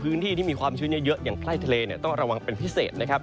พื้นที่ที่มีความชื้นเยอะอย่างใกล้ทะเลเนี่ยต้องระวังเป็นพิเศษนะครับ